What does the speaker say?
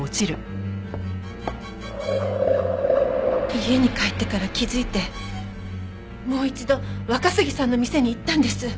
家に帰ってから気づいてもう一度若杉さんの店に行ったんです。